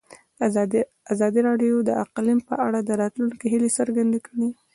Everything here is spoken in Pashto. ازادي راډیو د اقلیم په اړه د راتلونکي هیلې څرګندې کړې.